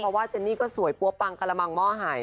เพราะว่าเจนนี่ก็สวยปั๊วปังกระมังหม้อหาย